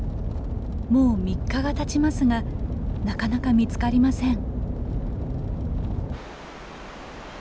もう３日がたちますがなかなか見つかりません。